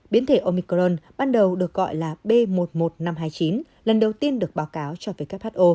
biến thể omicron ban đầu được gọi là b một mươi một nghìn năm trăm hai mươi chín lần đầu tiên được báo cáo cho who